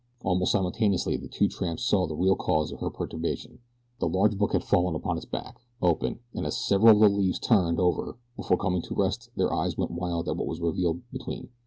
Almost simultaneously the two tramps saw the real cause of her perturbation. The large book had fallen upon its back, open; and as several of the leaves turned over before coming to rest their eyes went wide at what was revealed between.